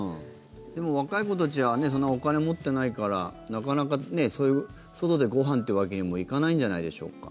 でも、若い子たちはお金を持っていないからなかなか外でご飯というわけにもいかないんじゃないでしょうか。